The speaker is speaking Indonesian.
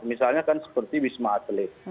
misalnya kan seperti wisma atlet